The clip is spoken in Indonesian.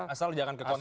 asal jangan ke kontennya